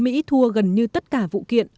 mỹ thua gần như tất cả vụ kiện